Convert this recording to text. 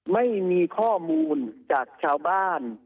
ไม่มีข้อมูลจากชาวบ้าน